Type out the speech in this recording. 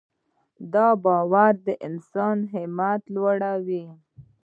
دا باور د انسان همت ورلوړوي.